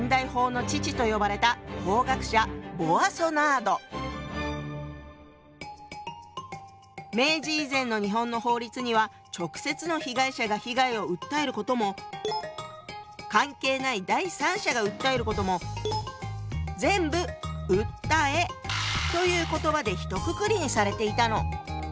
後に明治以前の日本の法律には直接の被害者が被害を訴えることも関係ない第三者が訴えることも全部「訴」という言葉でひとくくりにされていたの。